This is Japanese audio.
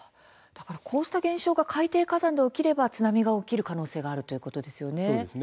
こうした現象が海底火山で起きれば津波が起きる可能性があるということですよね。